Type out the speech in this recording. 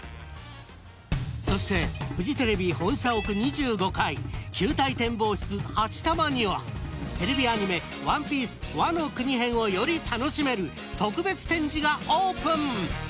そしてフジテレビ本社屋２５階球体展望室「はちたま」にはテレビアニメ「“ＯＮＥＰＩＥＣＥ”ワノ国編」をより楽しめる特別展示がオープン！